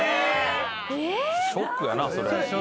・ショックやなそれ。